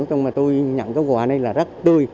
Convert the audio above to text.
tôi nhận kết quả này là rất tươi